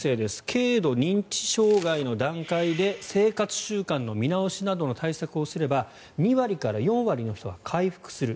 軽度認知障害の段階で生活習慣の見直しなどの対策をすれば２割から４割の人は回復する。